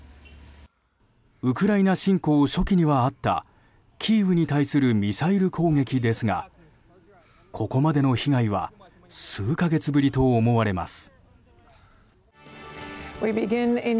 ウクライナ侵攻初期にはあったキーウに対するミサイル攻撃ですがここまでの被害は数か月ぶりと思われます。